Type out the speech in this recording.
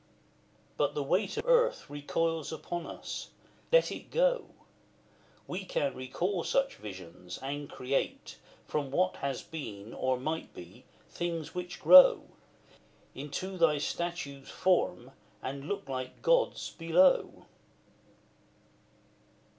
but the weight Of earth recoils upon us; let it go! We can recall such visions, and create From what has been, or might be, things which grow, Into thy statue's form, and look like gods below.